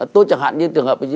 tối chẳng hạn như trường hợp